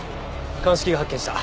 鑑識が発見した。